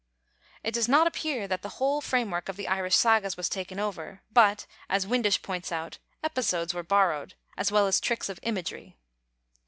It does not appear that the whole framework of the Irish sagas was taken over, but, as Windisch points out, episodes were borrowed as well as tricks of imagery.